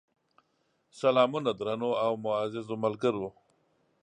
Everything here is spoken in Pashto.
سلامونه درنو او معزز ملګرو!